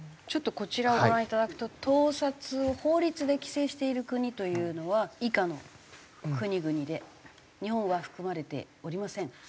ちょっとこちらをご覧いただくと盗撮を法律で規制している国というのは以下の国々で日本は含まれておりません。